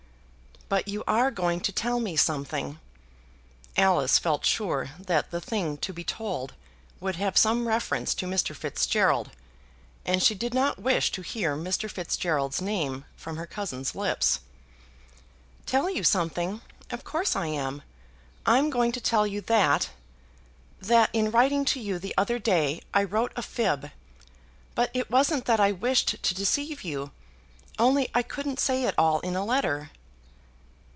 "But you are going to tell me something." Alice felt sure that the thing to be told would have some reference to Mr. Fitzgerald, and she did not wish to hear Mr. Fitzgerald's name from her cousin's lips. "Tell you something; of course I am. I'm going to tell you that, that in writing to you the other day I wrote a fib. But it wasn't that I wished to deceive you; only I couldn't say it all in a letter."